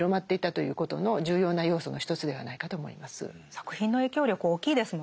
作品の影響力大きいですもんね。